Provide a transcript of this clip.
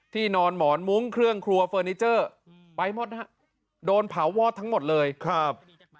นอนหมอนมุ้งเครื่องครัวเฟอร์นิเจอร์ไปหมดนะฮะโดนเผาวอดทั้งหมดเลยครับ